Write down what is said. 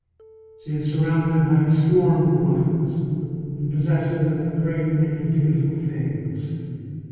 She is surrounded by a swarm of lovers and possesses a great many beautiful things.